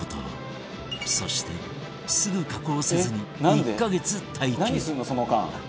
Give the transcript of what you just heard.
そしてすぐ加工せずに１カ月待機